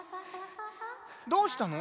どうしたの？